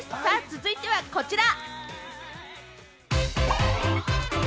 さぁ続いてはこちら。